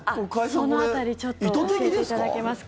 その辺りちょっと教えていただけますか。